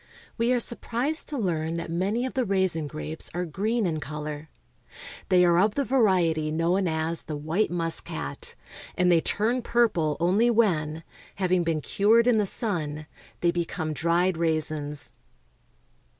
We are sur prised to learn that many of the raisin grapes are green in color. They are of the variety known as the white muscat, and they turn purple only Avhen, having been cured in the sun, they be come dried raisins.